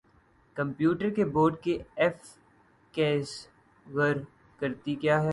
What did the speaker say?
computer keyboard کی F keys خر کرتی کیا ہیں